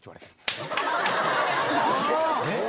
えっ？